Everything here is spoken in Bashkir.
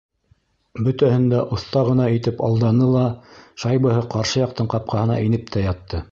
Бөтәһен дә оҫта ғына итеп алданы ла шайбаһы ҡаршы яҡтың ҡапҡаһына инеп тә ятты.